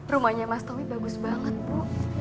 rumahnya mas tommy bagus banget bu